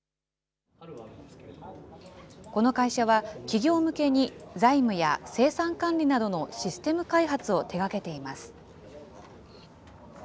この会社は、企業向けに財務や生産管理などのシステム開発を手がけています。